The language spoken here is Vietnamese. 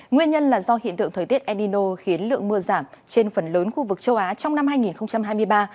nguyên nhân là do hiện tượng thời tiết el nino khiến lượng mưa giảm trên phần lớn khu vực châu á trong năm hai nghìn hai mươi ba